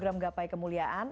bersambung gapai kemuliaan